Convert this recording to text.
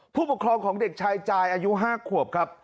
ผู้ปกครองของเด็กชายจ่ายอายุ๕ขวบครับ